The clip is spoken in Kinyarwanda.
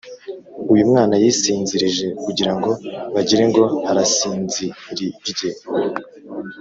Uyumwana yisinzirije kugirango bagirengo arasinzirirye